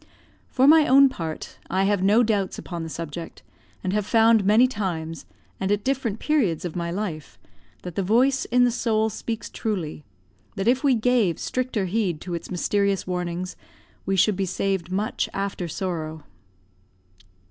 For my own part, I have no doubts upon the subject, and have found many times, and at different periods of my life, that the voice in the soul speaks truly; that if we gave stricter heed to its mysterious warnings, we should be saved much after sorrow.